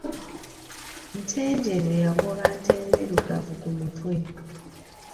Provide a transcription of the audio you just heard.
Ntenjeru yagoba ntenzirugavu ku mutwe.